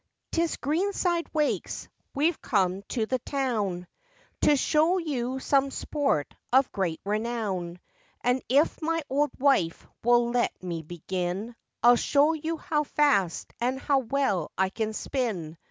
] ''TIS Greenside wakes, we've come to the town To show you some sport of great renown; And if my old wife will let me begin, I'll show you how fast and how well I can spin.